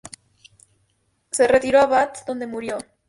Se retiró a Bath, donde murió.